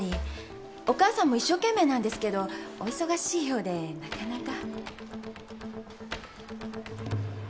お母さんも一生懸命なんですけどお忙しいようでなかなか。